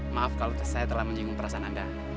maaf kalau saya telah menyinggung perasaan anda